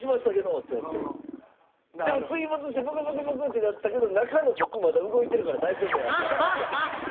でも水没してブクブクブクってなったけど中の僕まだ動いてるから大丈夫やって。